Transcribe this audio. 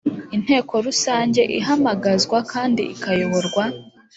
Inteko Rusange ihamagazwa kandi ikayoborwa